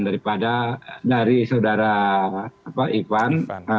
daripada dari saudara ivan